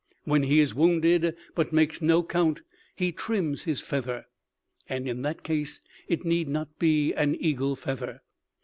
When he is wounded, but makes no count, he trims his feather, and in that case it need not be an eagle feather.